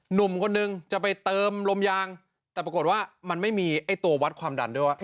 หนุ่มคนนึงจะไปเติมลมยางแต่ปรากฏว่ามันไม่มีไอ้ตัววัดความดันด้วยว่า